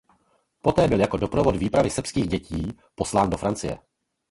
Poté byl jako doprovod výpravy srbských dětí poslán do Francie.